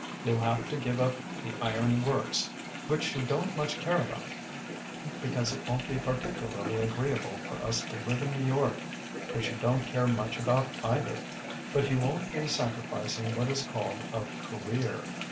You'll have to give up the Iron Works: which you don't much care about because it won't be particularly agreeable for us to live in New York: which you don't care much about either. But you won't be sacrificing what is called "a career."